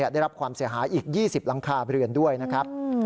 ได้รับความเสียหายอีก๒๐หลังคาเรือนด้วยนะครับ